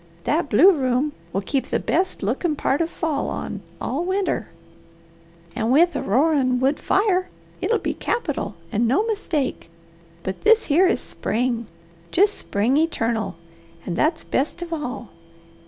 That blue room will keep the best lookin' part of fall on all winter, and with a roarin' wood fire, it'll be capital, and no mistake; but this here is spring, jest spring eternal, an' that's best of all.